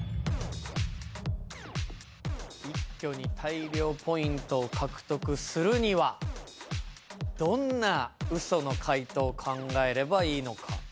一挙に大量ポイントを獲得するにはどんな嘘の解答を考えればいいのか。